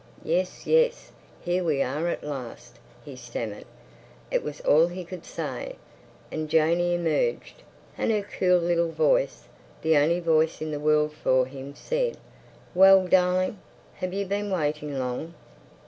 Yes, yes! Here we are at last!" he stammered. It was all he could say. And Janey emerged, and her cool little voice—the only voice in the world for him—said, "Well, darling! Have you been waiting long?"